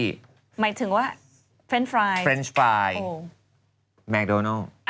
หมายถึงว่าเฟรนช์ฟรายเฟรนช์ฟรายแมคโดนัล